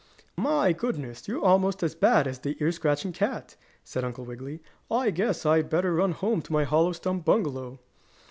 "My goodness! You're almost as bad as the ear scratching cat!" said Uncle Wiggily. "I guess I'd better run home to my hollow stump bungalow."